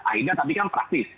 aida tapi kan praktis